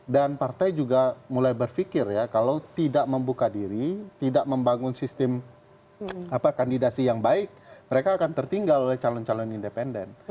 dan partai juga mulai berpikir ya kalau tidak membuka diri tidak membangun sistem kandidasi yang baik mereka akan tertinggal oleh calon calon independen